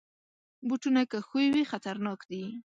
بوټونه که ښوی وي، خطرناک دي.